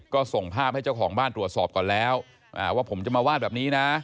ก็ส่งภาพให้เจ้าของบ้านตรวจสอบก่อนแล้วว่าผมจะมาวาดแบบนี้นะ